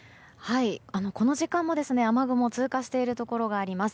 この時間も雨雲が通過しているところがあります。